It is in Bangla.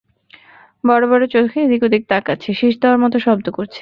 বড়-বড় চোখে এদিক-ওদিক তাকাচ্ছে, শিস দেওয়ার মতো শব্দ করছে।